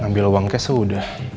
ambil uangnya sudah